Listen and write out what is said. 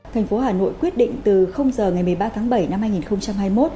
thành phố hà nội quyết định từ giờ ngày một mươi ba tháng bảy năm hai nghìn hai mươi một